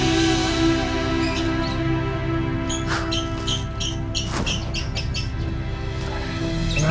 yang ada ada kristen gris